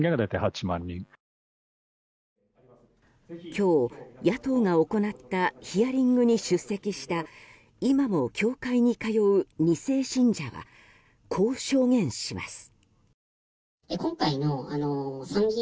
今日、野党が行ったヒアリングに出席した今も教会に通う２世信者はこう証言します。